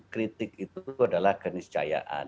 ketika kita mencari kritik itu adalah keniscayaan